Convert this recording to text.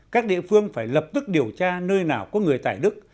các địa phương phải lập tức điều tra nơi nào có người tài đức